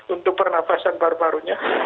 untuk pernafasan baru barunya